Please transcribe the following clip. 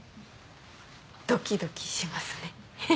ドキドキしますね。